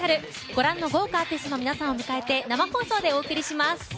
ご覧の豪華アーティストの皆さんを迎えて生放送でお送りします。